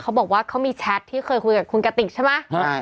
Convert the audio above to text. เขาบอกว่าเขามีแชทที่เคยคุยกับคุณกติกใช่ไหมใช่